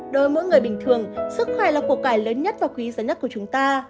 đối với mỗi người bình thường sức khỏe là cuộc cải lớn nhất và quý giá nhất của chúng ta